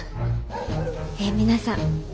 え皆さん